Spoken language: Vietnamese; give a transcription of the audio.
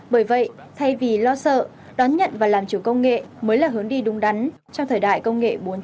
bởi vậy thay vì lo sợ đón nhận và làm chủ công nghệ mới là hướng đi đúng đắn trong thời đại công nghệ bốn